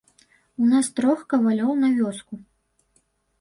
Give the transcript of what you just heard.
У нас трох кавалёў на вёску.